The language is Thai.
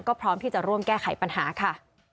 ก็พร้อมที่จะร่วมแก้ไขปัญหาค่ะ